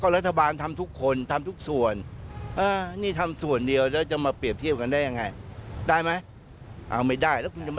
ได้ไหมไม่ได้แล้วคุณจะมาถามผมอีกครับ